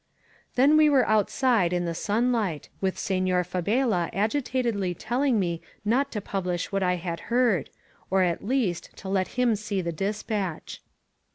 Then we were outside in the sunlight, with Senor Fabela agitatedly telling me not to publish what I had heard, — or, at least, to let him see the dispatch.